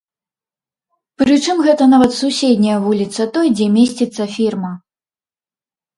Прычым гэта нават суседняя вуліца той, дзе месціцца фірма.